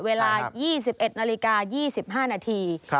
เวลา๒๑นาฬิกา๒๕นาที